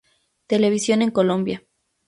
Televisión en Colombia